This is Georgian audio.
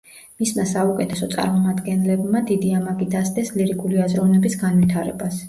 მისმა საუკეთესო წარმომადგენლებმა დიდი ამაგი დასდეს ლირიკული აზროვნების განვითარებას.